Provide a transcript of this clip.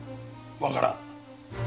わからん。